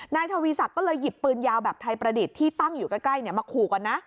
นายทวีศักดิ์ก็เลยหยิบปืนยาวแบบไทยประดิษฐ์ที่ตั้งอยู่ใกล้มาขู่ก่อนนะ